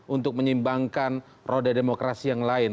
untuk menyimbangkan roda demokrasi yang lain